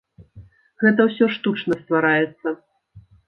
Гэта ўсё штучна ствараецца.